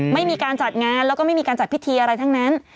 ไม่มีการจัดงานแล้วก็ไม่มีการจัดพิธีอะไรทั้งนั้น